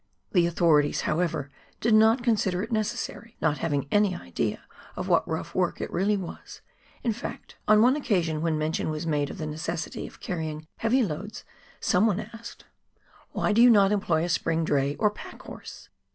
The authorities, however, did not consider it necessary, not having any idea of what rough work it really was ; in fact, on one occasion when mention was made of the necessity of carrying heavy loads, someone asked, " Why do IIG PIONEER WORK IX THE ALPS OF NEW ZEALAND. not you employ a spring dray or pack horse